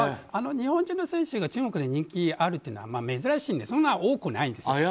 日本人の選手が中国で人気があるというのは珍しいのでそんなに多くないんです。